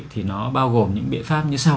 thì nó bao gồm những biện pháp